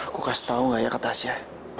aku kasih tau gak ya ke tasya